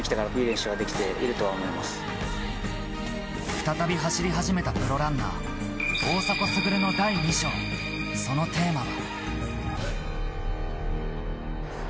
再び走り始めた大迫傑の第２章そのテーマは。